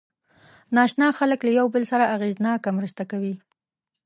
ناآشنا خلک له یو بل سره اغېزناکه مرسته کوي.